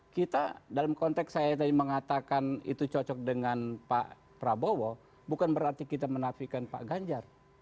kita dalam konteks saya tadi mengatakan itu cocok dengan pak prabowo bukan berarti kita menafikan pak ganjar